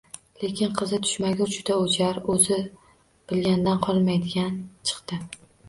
Lekin qizi tushmagur juda o`jar, o`z bilganidan qolmaydigan chiqdi